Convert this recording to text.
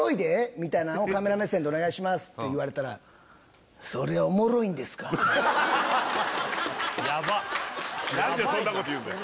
みたいなのをカメラ目線でお願いしますって言われたらヤバッヤバいな何でそんなこと言うんだよ